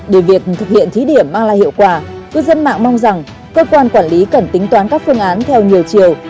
để việc thực hiện thí điểm mang lại hiệu quả cư dân mạng mong rằng cơ quan quản lý cần tính toán các phương án theo nhiều chiều